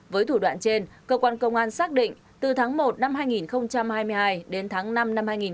với thủ đoạn trên cơ quan công an xác định từ tháng một năm hai nghìn hai mươi hai đến tháng năm năm hai nghìn hai mươi ba